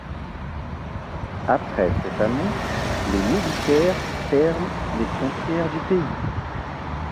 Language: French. Après cette annonce, les militaires ferment les frontières du pays.